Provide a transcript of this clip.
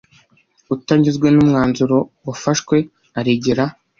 utanyuzwe n umwanzuro wafashwe aregera